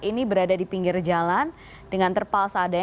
ini berada di pinggir jalan dengan terpal seadanya